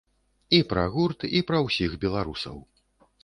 І пра гурт, і пра ўсіх беларусаў.